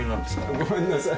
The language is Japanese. ごめんなさい。